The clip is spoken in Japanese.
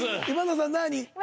今田さん何？